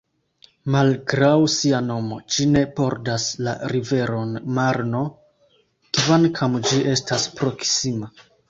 Malgraŭ sia nomo, ĝi ne bordas la riveron Marno, kvankam ĝi estas proksima.